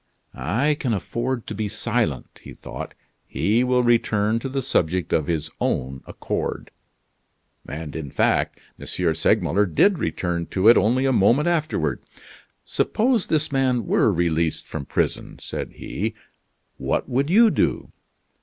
"I can afford to be silent," he thought; "he will return to the subject of his own accord." And in fact M. Segmuller did return to it only a moment afterward. "Suppose this man were released from prison," said he, "what would you do?"